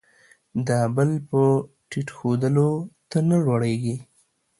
د بل په ټیټ ښودلو، ته نه لوړېږې.